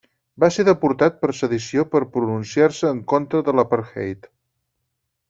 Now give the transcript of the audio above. Va ser deportat per sedició per pronunciar-se en contra de l'apartheid.